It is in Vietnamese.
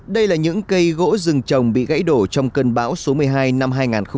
đây là những cây gỗ rừng trồng bị gãy đổ trong cơn bão số một mươi hai năm hai nghìn một mươi bảy